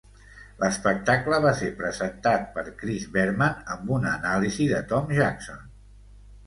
L'espectacle va ser presentat per Chris Berman, amb una anàlisi de Tom Jackson.